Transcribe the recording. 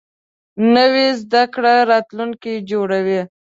نوې زده کړه راتلونکی جوړوي